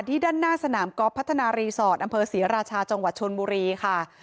ที่ด้านหน้าสนามก๊อบพัฒนารีสอร์ตอศรีราชาจชนบุรีค่ะ